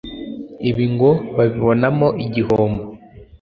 ibi ngo babibonamo igihombo